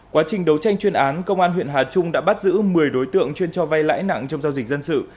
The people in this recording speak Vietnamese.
quá trình đấu tranh chuyên án công an huyện hà trung đã bắt giữ một mươi đối tượng chuyên cho vay lãi nặng trong giao dịch dân sự